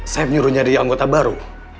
sayap nyuruh nyari anggota baru